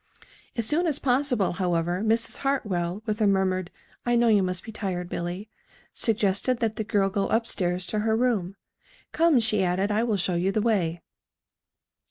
As soon as possible, however, Mrs. Hartwell, with a murmured "I know you must be tired, Billy," suggested that the girl go up stairs to her room. "Come," she added, "I will show you the way."